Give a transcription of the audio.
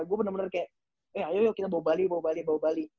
gue bener bener kayak eh ayo kita bawa bali bawa bali bawa bali